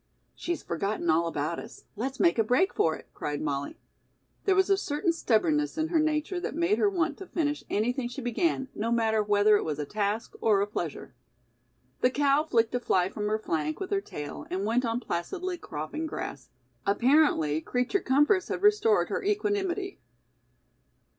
"She's forgotten all about us. Let's make a break for it," cried Molly. There was a certain stubbornness in her nature that made her want to finish anything she began no matter whether it was a task or a pleasure. The cow flicked a fly from her flank with her tail and went on placidly cropping grass. Apparently, creature comforts had restored her equanimity.